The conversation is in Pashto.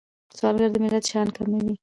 سوالګري د ملت شان کموي